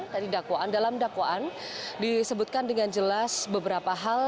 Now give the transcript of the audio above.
tadi dalam dakwaan disebutkan dengan jelas beberapa hal